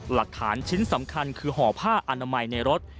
หลักฐานชิ้นสำคัญคือห่อผ้าอนามัยในรถ